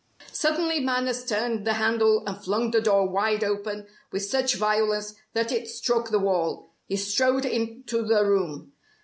Suddenly Manners turned the handle and flung the door wide open with such violence that it struck the wall. He strode into the room.